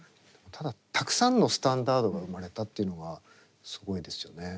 ただたくさんのスタンダードが生まれたっていうのがすごいですよね。